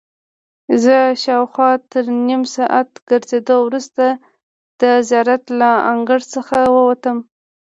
زه شاوخوا تر نیم ساعت ګرځېدو وروسته د زیارت له انګړ څخه ووتم.